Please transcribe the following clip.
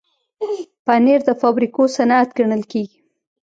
پنېر د فابریکو صنعت ګڼل کېږي.